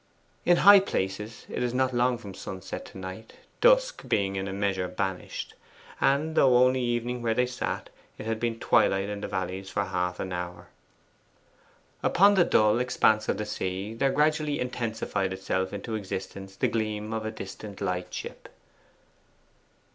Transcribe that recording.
In high places it is not long from sunset to night, dusk being in a measure banished, and though only evening where they sat, it had been twilight in the valleys for half an hour. Upon the dull expanse of sea there gradually intensified itself into existence the gleam of a distant light ship.